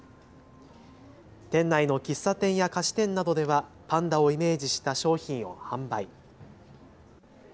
店内の喫茶店や菓子店などではパンダをイメージした商品を販売。